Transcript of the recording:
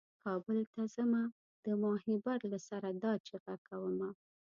کابل ته ځمه د ماهیپر له سره دا چیغه کومه.